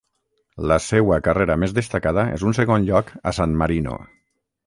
La seua carrera més destacada és un segon lloc a San Marino.